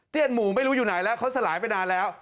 หมู่ไม่รู้อยู่ไหนแล้วเขาสลายไปนานแล้ว